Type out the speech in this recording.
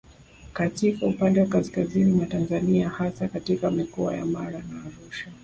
Katika upande wa kaskazini mwa Tanzania hasa katika Mikoa ya Mara na Arusha